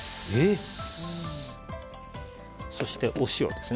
そしてお塩です。